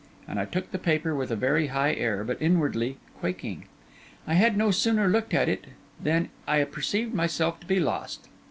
And I took the paper with a very high air, but inwardly quaking. I had no sooner looked at it than I perceived myself to be lost.